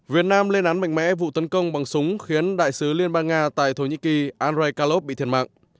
việt nam lên án mạnh mẽ vụ tấn công bằng súng khiến đại sứ liên bang nga tại thổ nhĩ kỳ anrey calov bị thiệt mạng